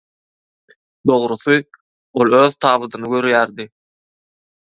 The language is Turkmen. Dogrusy, ol öz tabydyny görýärdi.